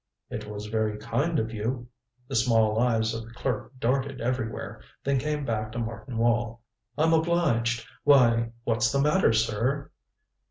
"It was very kind of you." The small eyes of the clerk darted everywhere; then came back to Martin Wall. "I'm obliged why, what's the matter, sir?"